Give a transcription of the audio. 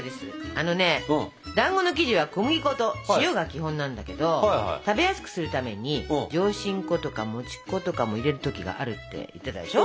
あのねだんごの生地は小麦粉と塩が基本なんだけど食べやすくするために上新粉とかもち粉とかも入れる時があるって言ってたでしょ？